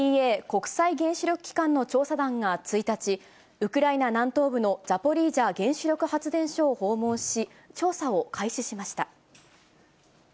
ＩＡＥＡ・国際原子力機関の調査団が１日、ウクライナ南東部のザポリージャ原子力発電所を訪問し、調査を開始しました。